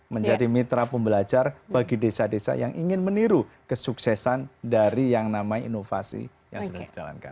menjadi mitra pembelajar bagi desa desa yang ingin meniru kesuksesan dari yang namanya inovasi yang sudah dijalankan